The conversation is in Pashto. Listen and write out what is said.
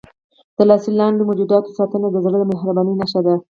د لاس لاندې موجوداتو ساتنه د زړه د مهربانۍ نښه ده.